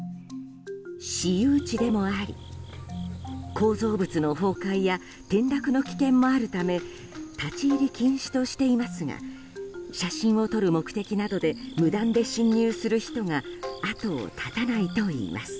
私有地でもあり、構造物の崩壊や転落の危険もあるため立ち入り禁止としていますが写真を撮る目的などで無断で侵入する人が後を絶たないといいます。